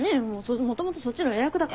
もともとそっちの予約だからさ。